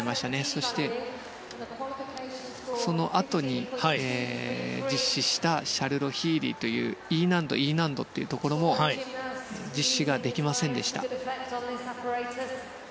そして、そのあとに実施したシャルロ、ヒーリーというＥ難度、Ｅ難度というところも実施ができませんでした。